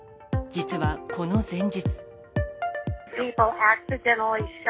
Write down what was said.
実は、この前日。